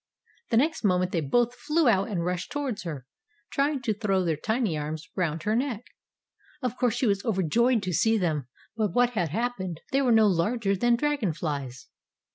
The next moment they both flew out and rushed towards her, trying to throw their tiny arms round her neck. Of course she was overjoyed to see them. But what had happened? They were no larger than dragon flies.